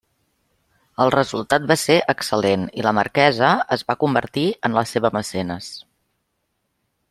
El resultat va ser excel·lent i la marquesa es va convertir en la seva mecenes.